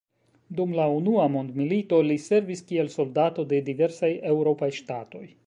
Dum la unua mondmilito li servis kiel soldato de diversaj eŭropaj ŝtatoj.